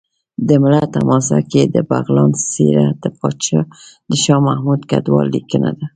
د ملت حماسه کې د بغلان څېره د شاه محمود کډوال لیکنه ده